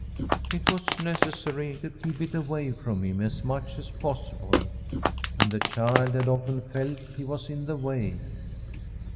It was nec essary to keep it away from him as much as possible ; and the child had often felt he was in the way.